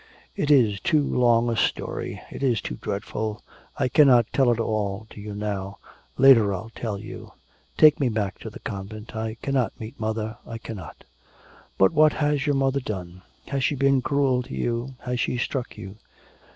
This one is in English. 'It is too long a story, it is too dreadful. I cannot tell it all to you now. Later I'll tell you. Take me back to the convent. I cannot meet mother. I cannot.' 'But what has your mother done; has she been cruel to you has she struck you?'